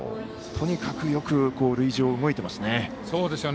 とにかくよく塁上を動いていますね。